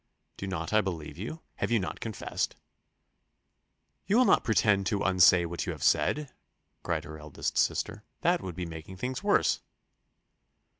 "Do not I believe you? Have you not confessed?" "You will not pretend to unsay what you have said," cried her eldest sister: "that would be making things worse."